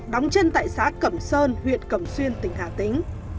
đóng chân tại xã cẩm sơn huyện cẩm xuyên tỉnh hà tĩnh